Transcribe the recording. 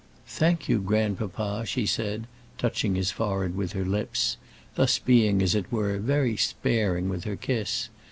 "Thank you, grandpapa," she said, touching his forehead with her lips, thus being, as it were, very sparing with her kiss.